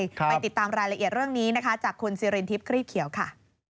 ไปติดตามรายละเอียดเรื่องนี้จากคุณซีรินทร์ทรีปครีบเขียวค่ะ